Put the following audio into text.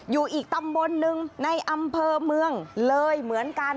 อยู่อีกตำบลหนึ่งในอำเภอเมืองเลยเหมือนกัน